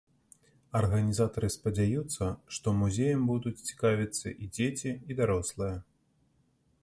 Арганізатары спадзяюцца, што музеем будуць цікавіцца і дзеці, і дарослыя.